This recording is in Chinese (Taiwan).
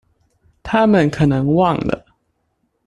她們可能忘了